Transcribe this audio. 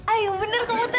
ayo bener pak mau tan